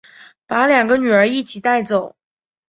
把两个女儿一起带走